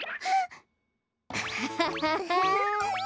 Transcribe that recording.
ハハハハ。